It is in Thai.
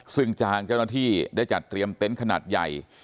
ซึ่งทางเจ้าหน้าที่ได้จัดเตรียมเต็นต์ขนาดใหญ่